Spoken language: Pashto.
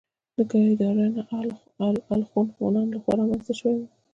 د کيداريانو او الخون هونانو له خوا رامنځته شوي وو